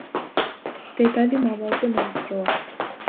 დედალი მამალზე მომცროა.